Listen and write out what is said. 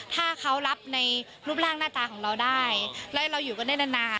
ถ้าเขารับในรูปร่างหน้าตาของเราได้แล้วเราอยู่กันได้นานนาน